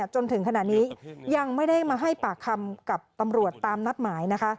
จนถึงขณะนี้ยังไม่ได้มาให้ปากคำกับตำรวจตามนัดหมายนะคะ